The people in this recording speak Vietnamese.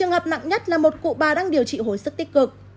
trường hợp nặng nhất là một cụ bà đang điều trị hồi sức tích cực